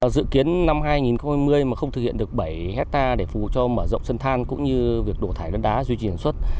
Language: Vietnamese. dự kiến năm hai nghìn hai mươi mà không thực hiện được bảy hectare để phù cho mở rộng sân than cũng như việc đổ thải đất đá duy trì sản xuất